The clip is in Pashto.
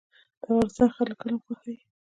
د افغانستان خلک علم خوښوي